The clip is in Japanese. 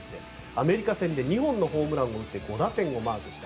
アメリカ戦で２本のホームランを打って、５打点をマークした。